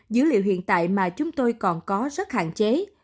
dữ liệu hiện tại mà chúng tôi còn có rất hạn chế